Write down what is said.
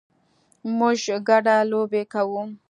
موږ ګډه لوبې کوو